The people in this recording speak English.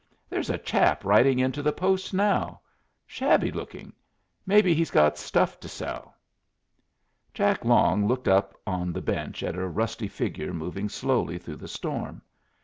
"There's a chap riding into the post now. Shabby lookin'. Mebbe he's got stuff to sell." Jack Long looked up on the bench at a rusty figure moving slowly through the storm.